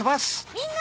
みんな！